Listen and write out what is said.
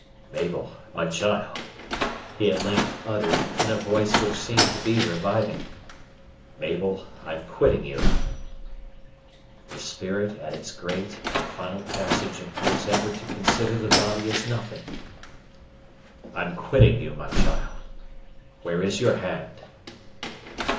"Mabel, my child!" he at length uttered, in a voice which seemed to be reviving, "Mabel, I'm quitting you." The spirit at its great and final passage appears ever to consider the body as nothing. "I'm quitting you, my child; where is your hand?"